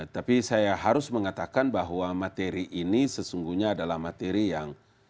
tapi saya harus mengatakan bahwa materi ini sesungguhnya adalah materi yang